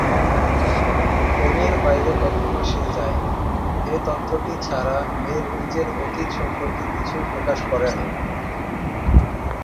খনির বাইরে কখনো সে যায়নি, এ তথ্যটি ছাড়া নেল নিজের অতীত সম্পর্কে কিছুই প্রকাশ করে না।